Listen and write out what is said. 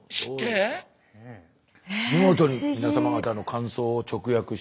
見事に皆様方の感想を直訳しておりまして。